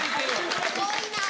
すごいな。